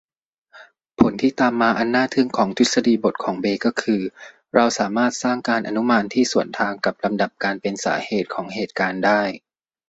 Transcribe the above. ผลที่ตามมาอันน่าทึ่งของทฤษฎีบทของเบย์ก็คือเราสามารถสร้างการอนุมานที่สวนทางกับลำดับการเป็นสาเหตุของเหตุการณ์ได้